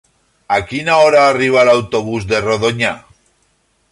A quina hora arriba l'autobús de Rodonyà?